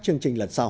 chương trình lần sau